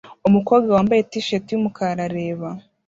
Umukobwa wambaye t-shirt yumukara arareba